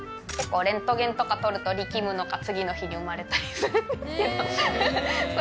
レントゲンとか撮ると力むのか、次の日に産まれたりする。